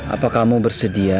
apa kamu bersedia